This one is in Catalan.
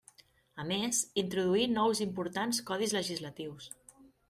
A més, introduí nous i importants codis legislatius.